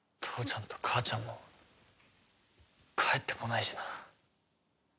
父ちゃんと母ちゃんも帰ってこないしな。